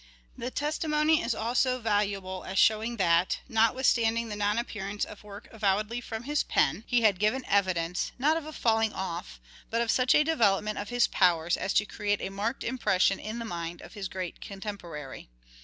The testimony is also valuable as MANHOOD OF DE VERE : MIDDLE PERIOD 347 showing that, notwithstanding the non appearance of work avowedly from his pen, he had given evidence, not of a falling off, but of such a development of his powers as to create a marked impression in the mind of his great contemporary.